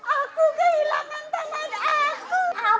aku aku kehilangan tangan